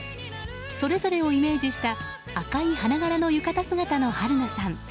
それぞれをイメージした赤い浴衣姿の春奈さん。